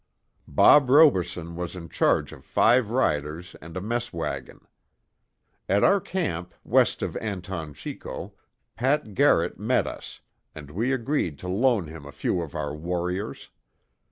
Bob Roberson was in charge of five riders and a mess wagon. At our camp, west of Anton Chico, Pat Garrett met us, and we agreed to loan him a few of our "warriors."